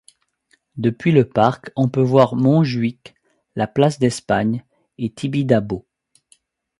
Depuis le parc on peut voir Montjuïc, la place d'Espagne et Tibidabo.